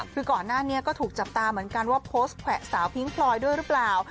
คือก่อนหน้านี้ก็ถูกจับตาเหมือนกันว่าโพสต์แขวะสาวพิ้งพลอยด้วยหรือเปล่า